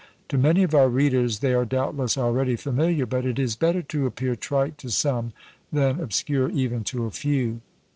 To many of our readers they are doubtless already familiar; but it is better to appear trite to some than obscure even to a few.